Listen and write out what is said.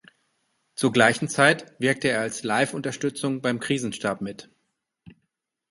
Zur gleichen Zeit wirkte er als Live-Unterstützung beim Krisenstab mit.